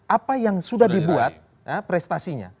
apa yang sudah dibuat prestasinya